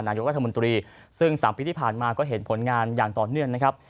นายกรัฐมนตรีซึ่ง๓ปีที่ผ่านมาก็เห็นผลงานอย่างต่อเนื่องนะครับ